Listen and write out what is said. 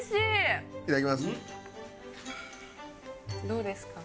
どうですか？